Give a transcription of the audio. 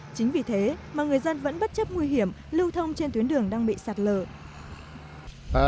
chính vì thế mà người dân vẫn bất chấp nguy hiểm lưu thông trên tuyến đường đang bị sạt lở